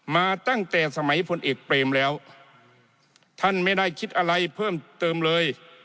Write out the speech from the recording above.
มาตั้งแต่สมัยพลเอกเปรมแล้วท่านไม่ได้คิดอะไรเพิ่มเติมเลย